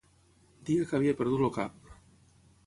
Deia que havia perdut el cap.